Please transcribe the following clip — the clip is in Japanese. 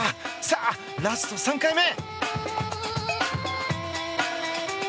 さあ、ラスト３回目！